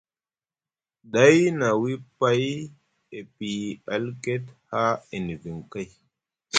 Day na wii pay e piyi alket haa e niviŋ kay.